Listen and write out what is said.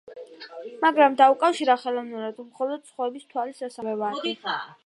მაგრამ დაუკავშირა ხელოვნურად, მხოლოდ სხვების თვალის ასახვევად.